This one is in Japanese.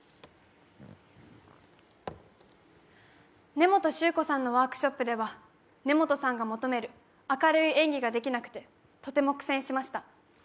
根本宗子さんのワークショップでは根本さんの求める明るい演技ができなくて、とても苦戦しました。